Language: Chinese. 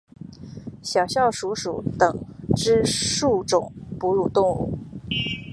小啸鼠属等之数种哺乳动物。